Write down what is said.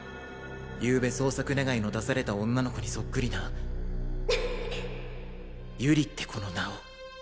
ゆうべ捜索願の出された女の子にそっくりな有里って子の名を。